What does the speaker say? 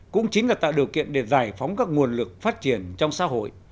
cũng chính là tạo điều kiện để giải phóng các nguồn lực phát triển trong xã hội